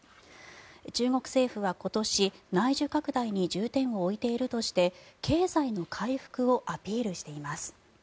中国政府は今年、内需拡大に重点を置いているとして経済の回復をアピールしています。